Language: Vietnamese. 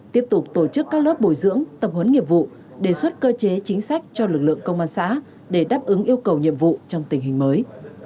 tiếp tục tổ chức các lớp bồi dưỡng tập huấn nghiệp vụ đề xuất cơ chế chính sách cho lực lượng công an xã để đáp ứng yêu cầu nhiệm vụ trong tình hình mới